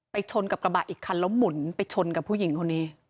ชนกับกระบะอีกคันแล้วหมุนไปชนกับผู้หญิงคนนี้